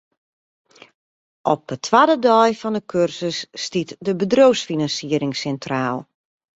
Op 'e twadde dei fan 'e kursus stiet de bedriuwsfinansiering sintraal.